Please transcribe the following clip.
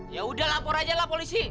yaudah lapor aja lah polisi